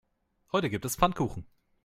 Heute gibt es Pfannkuchen.